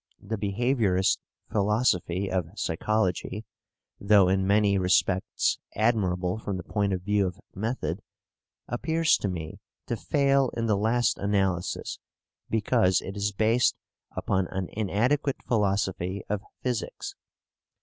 The behaviourist philosophy of psychology, though in many respects admirable from the point of view of method, appears to me to fail in the last analysis because it is based upon an inadequate philosophy of physics.